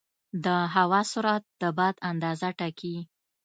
د هوا سرعت د باد اندازه ټاکي.